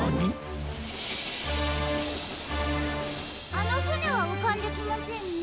あのふねはうかんできませんね。